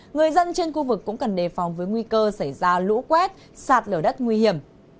người dân trên khu vực cũng cần đề phòng với nguy cơ xảy ra lũ quét sạt lở đất nguy hiểm